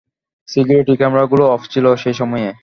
Security ক্যামেরাগুলো off ছিল সেসময়ে।